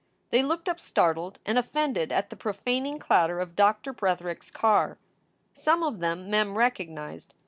They looked up startled and offended at the profaning clatter of Doctor Bretherick s car. Some of them Mem recognized.